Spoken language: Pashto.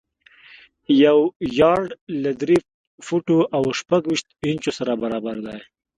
یو یارډ له درې فوټو او شپږ ویشت انچو سره برابر دی.